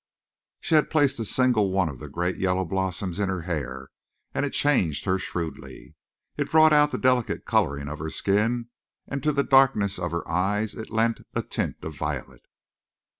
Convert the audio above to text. She had placed a single one of the great yellow blossoms in her hair and it changed her shrewdly. It brought out the delicate coloring of her skin, and to the darkness of her eyes it lent a tint of violet.